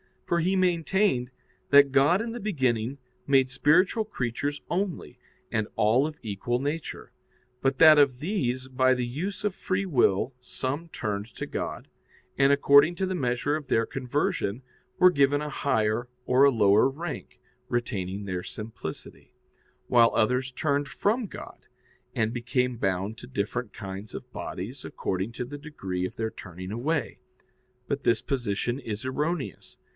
For he maintained that God in the beginning made spiritual creatures only, and all of equal nature; but that of these by the use of free will some turned to God, and, according to the measure of their conversion, were given a higher or a lower rank, retaining their simplicity; while others turned from God, and became bound to different kinds of bodies according to the degree of their turning away. But this position is erroneous.